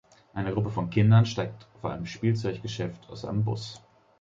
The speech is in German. Eine Gruppe von Kindern steigt vor einem Spielzeuggeschäft aus einem Bus.